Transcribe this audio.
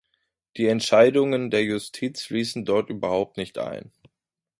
Die Entscheidungen der Justiz fließen dort überhaupt nicht ein.